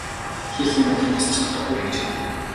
Хийх юмаа хэнээс ч дутахгүй хийчихнэ.